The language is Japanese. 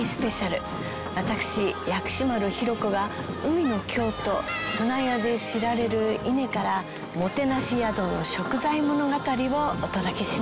私薬師丸ひろ子が海の京都舟屋で知られる伊根からもてなし宿の食材物語をお届けします。